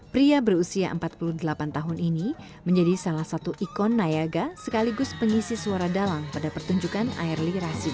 pria berusia empat puluh delapan tahun ini menjadi salah satu ikon nayaga sekaligus pengisi suara dalang pada pertunjukan air li razia